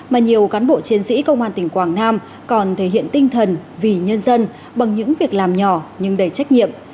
mà nhiều cán bộ chiến sĩ công an tỉnh quảng nam còn thể hiện tinh thần vì nhân dân bằng những việc làm nhỏ nhưng đầy trách nhiệm